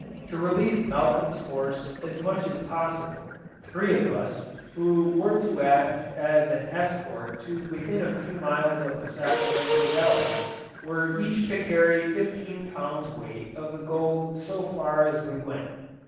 To relieve Malcolm's horse as much as possible, three of us, who were to act as an escort to within a few miles of the Sacramento Valley, were each to carry fifteen pounds weight of the gold so far as we went.